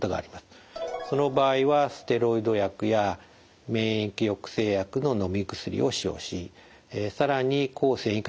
その場合はステロイド薬や免疫抑制薬ののみ薬を使用し更に抗線維化